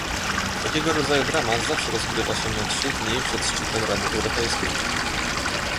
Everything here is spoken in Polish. Takiego rodzaju dramat zawsze rozgrywa się na trzy dni przed szczytem Rady Europejskiej